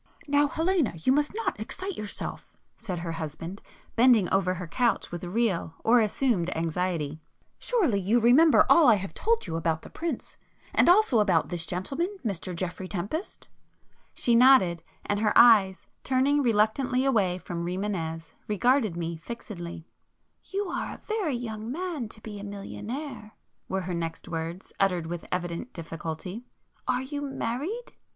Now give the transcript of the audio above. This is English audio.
"Now Helena, you must not excite yourself"—said her husband, bending over her couch with real or assumed anxiety; "Surely you remember all I have told you about the prince? And also about this gentleman, Mr Geoffrey Tempest?" She nodded, and her eyes, turning reluctantly away from Rimânez, regarded me fixedly. "You are a very young man to be a millionaire,"—were her next words, uttered with evident difficulty—"Are you married?"